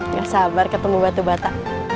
gak sabar ketemu batu bata